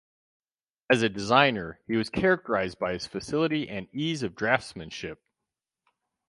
As a designer he was characterised by his facility and ease of draughtsmanship.